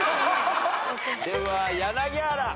では柳原。